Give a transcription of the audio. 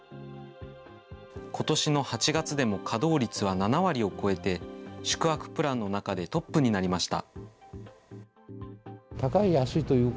ことしの８月でも稼働率は７割を超えて、宿泊プランの中でトップになりました。